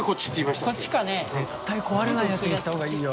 唐沢）絶対壊れないやつにしたほうがいいよ。